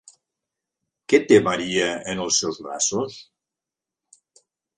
Què té Maria en els seus braços?